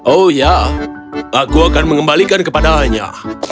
oh ya aku akan mengembalikan kepadanya